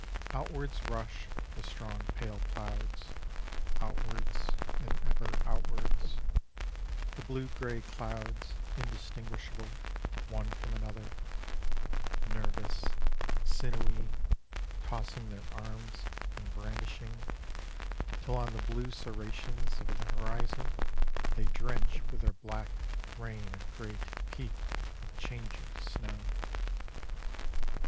Outwards rush the strong pale clouds, Outwards and ever outwards; The blue grey clouds indistinguishable one from another: Nervous, sinewy, tossing their arms and brandishing, Till on the blue serrations of the horizon They drench with their black rain a great peak of changeless snow.